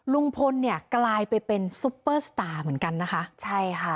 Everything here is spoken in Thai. ลุงพลเนี่ยกลายไปเป็นซุปเปอร์สตาร์เหมือนกันนะคะใช่ค่ะ